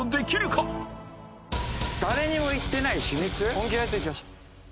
本気のやついきましょう。